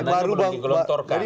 dananya belum diturunkan